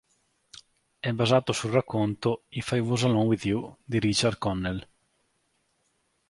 È basato sul racconto "If I Was Alone with You" di Richard Connell.